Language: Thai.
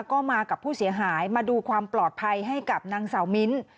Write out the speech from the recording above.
ก็มากับผู้เสียหายมาดูความปลอดภัยให้กับนางสาวมิ้น